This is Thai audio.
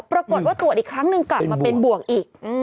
ปรากฏว่าตรวจอีกครั้งหนึ่งกลับมาเป็นบวกอีก